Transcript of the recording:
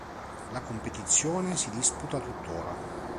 La competizione si disputa tuttora.